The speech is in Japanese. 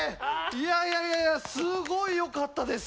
いやいやいやすごいよかったです。